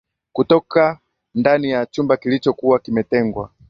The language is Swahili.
Kutoka ndaniya chumba kilicho kuwa kimetengwa